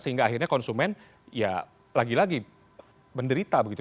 sehingga akhirnya konsumen ya lagi lagi menderita begitu